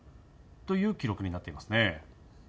そういう記録になっていますね。